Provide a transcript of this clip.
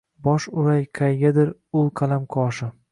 Bosh uray qaydadir ul qalam qoshi